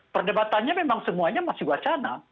perdebatannya memang semuanya masih wacana